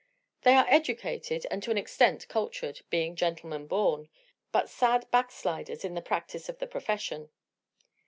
They are educated and to an extent cultured, being "gentlemen born" but sad backsliders in the practise of the profession.